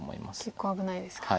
結構危ないですか。